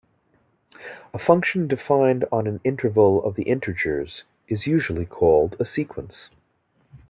A function defined on an interval of the integers is usually called a sequence.